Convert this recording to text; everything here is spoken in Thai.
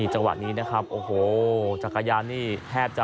อโหจักรยานนี้แทบจะ